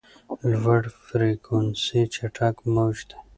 لوړ فریکونسي چټک موج دی.